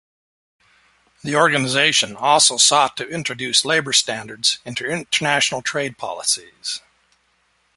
The organization also sought to introduce labour standards into international trade policies.